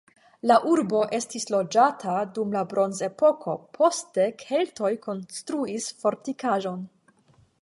La urbo estis loĝata dum la bronzepoko, poste la keltoj konstruis fortikaĵon.